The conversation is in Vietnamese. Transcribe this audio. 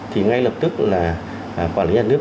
thì ngay lập tức là quản lý nhà nước